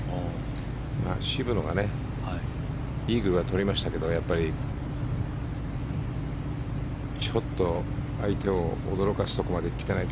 渋野がイーグルは取りましたけどちょっと相手を驚かせるところまで来ていない。